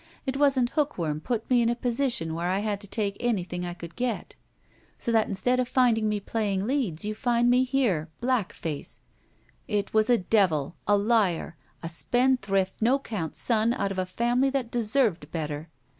It wasn't hookworm put me in a position where I had to take anjrthing I could get! So that instead of finding me playing leads you find me here — ^black face! It was a devil! A liar! A spendthrift, no 'count son out of a family that deserved better.